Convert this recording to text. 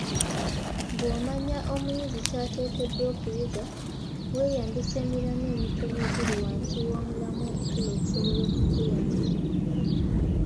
Bw’omanya omuyizi ky’ateekeddwa okuyiga, weeyambisa emiramwa emitono egiri wansi w’omulamwa omukulu okusobola okukuyamba